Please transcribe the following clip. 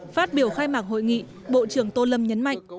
phát biểu khai mạc hội nghị bộ trưởng tô lâm nhấn mạnh